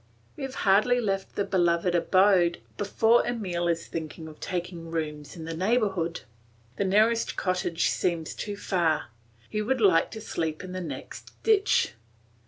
We have hardly left the beloved abode before Emile is thinking of taking rooms in the neighbourhood; the nearest cottage seems too far; he would like to sleep in the next ditch.